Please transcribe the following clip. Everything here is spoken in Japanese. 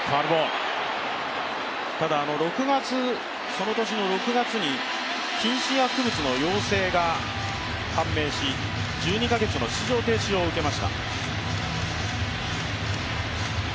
その年の６月に禁止薬物の陽性が判明し、１２か月の出場停止を受けました。